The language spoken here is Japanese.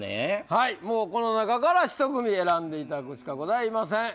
はいもうこのなかから１組選んでいただくしかございません